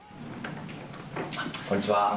こんにちは。